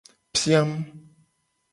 Piam.